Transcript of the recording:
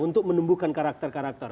untuk menumbuhkan karakter karakter